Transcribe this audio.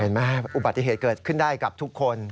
เห็นมั้ยอุบัติเหตุเกิดขึ้นได้กับทุกคน